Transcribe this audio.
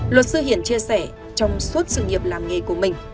luật sư hiển chia sẻ trong suốt sự nghiệp làm nghề của mình